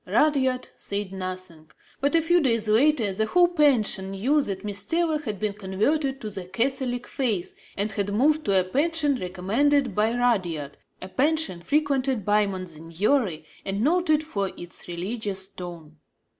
Rudyard said nothing; but, a few days later, the whole pension knew that Miss Taylor had been converted to the Catholic faith and had moved to a pension recommended by Rudyard, a pension frequented by monsignori and noted for its religious tone.